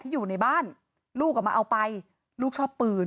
อยู่ในบ้านลูกอ่ะมาเอาไปลูกชอบปืน